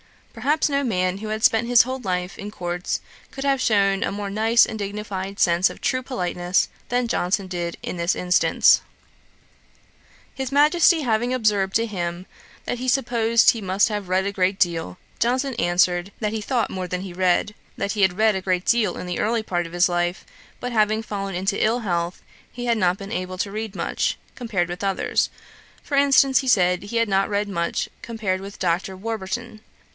Perhaps no man who had spent his whole life in courts could have shewn a more nice and dignified sense of true politeness, than Johnson did in this instance. His Majesty having observed to him that he supposed he must have read a great deal; Johnson answered, that he thought more than he read; that he had read a great deal in the early part of his life, but having fallen into ill health, he had not been able to read much, compared with others: for instance, he said he had not read much, compared with Dr. Warburton.